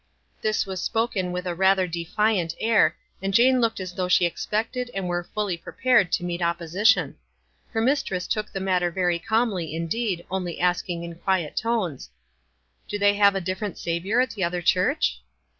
This was spoken with rather a defiant air, and Jane looked as though she expected and were fully prepared to meet opposition. Her mis tress took the matter very calmly, indeed, only asking, in quiet tones, —" Do they have a different Saviour at the other church?"